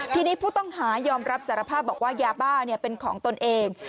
ทีนี้ผู้ต้องหายอมรับสารภาพบอกว่ายาบ้าเป็นของตนเอง